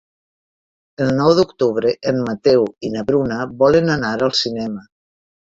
El nou d'octubre en Mateu i na Bruna volen anar al cinema.